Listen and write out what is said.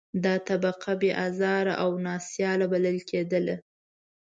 دا طبقه بې آزاره او نا سیاله بلل کېدله.